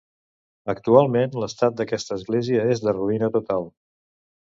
Actualment l'estat d'aquesta església és de ruïna total.